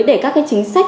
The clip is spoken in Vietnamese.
để các cái chính sách